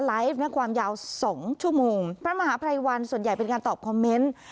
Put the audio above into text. ความยาวสองชั่วโมงพระมหาภัยวันส่วนใหญ่เป็นการตอบคอมเมนต์